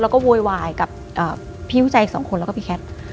แล้วก็โวยวายกับพี่ผู้ชายอีกสองคนแล้วก็พี่แคท